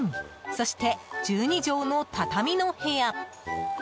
そして１２畳の畳の部屋。